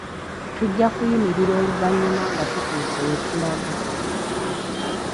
Tujja kuyimirira oluvannyuma nga tutuuse we tulaga.